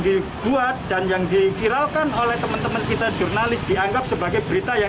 dibuat dan yang diviralkan oleh teman teman kita jurnalis dianggap sebagai berita yang